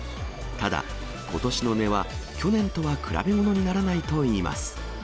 ただ、ことしの値は去年とは比べ物にならないといいます。